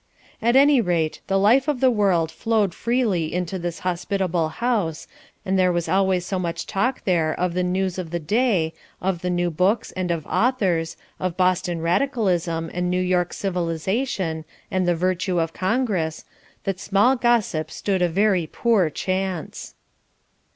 At any rate the life of the world flowed freely into this hospitable house, and there was always so much talk there of the news of the day, of the new books and of authors, of Boston radicalism and New York civilization, and the virtue of Congress, that small gossip stood a very poor chance.